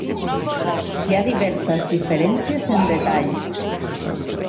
Hi ha diverses diferències en detalls.